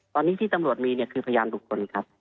ตอนนี้ที่ตำรวจมีเนี่ยคือพยานบุคคลครับ